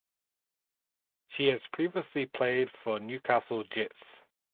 She has previously played for Newcastle Jets.